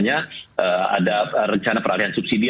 ada rencana peralihan subsidi